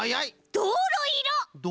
どうろいろ！